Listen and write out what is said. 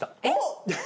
えっ？